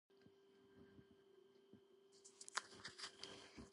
ზოგან მარტო დათვალიერებას კი არა, უშუალოდ მონაწილეობას სთავაზობენ სტუმარს.